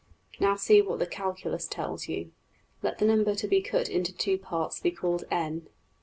Now see what the calculus tells you. Let the number to be cut into two parts be called~$n$.